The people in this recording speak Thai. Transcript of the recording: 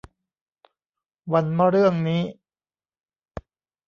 วันมะเรื่องนี้